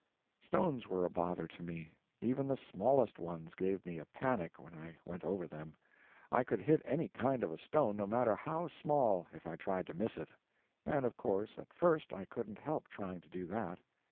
Stones were a bother to me. Even the smallest ones gave me a panic when I went over them. I could hit any kind of a stone, no matter how small, if I tried to miss it; and of course at first I couldn't help trying to do that.